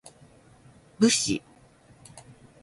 武士